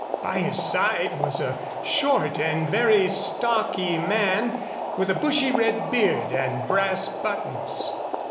By his side was a short and very stocky man with a bushy red beard and brass buttons.